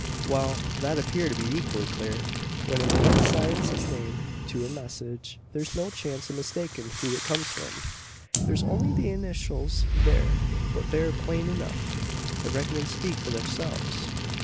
"Wal; thet appear to be eeqully clur. When a man signs his name to a message, thar's no chance o' mistakin' who it kums from. Thar's only the ineeshuls thur; but they're plain enuf, I reck'n, an speak for theirselves."